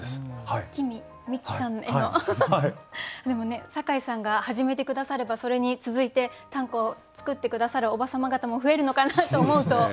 でもね酒井さんが始めて下さればそれに続いて短歌を作って下さるおば様方も増えるのかなと思うと。